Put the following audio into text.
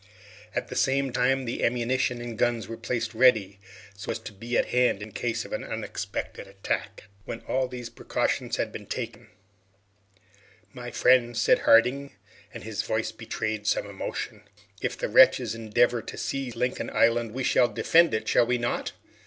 At the same time, the ammunition and guns were placed ready so as to be at hand in case of an unexpected attack. When all these precautions had been taken, "My friends," said Harding, and his voice betrayed some emotion, "if the wretches endeavor to seize Lincoln Island, we shall defend it shall we not?"